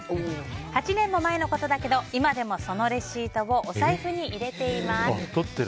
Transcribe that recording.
８年も前のことだけど今でもそのレシートをお財布に入れています。